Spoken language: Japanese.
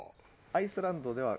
アイスランドの話。